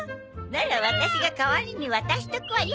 ならワタシが代わりに渡しとくわよ。